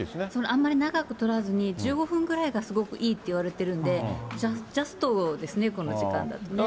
あんまり長くとらずに、１５分ぐらいがすごくいいっていわれてるんで、ジャストですね、この時間だとね。